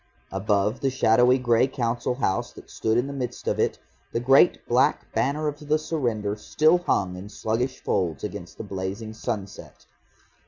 Above the shadowy grey Council House that stood in the midst of it, the great black banner of the surrender still hung in sluggish folds against the blazing sunset.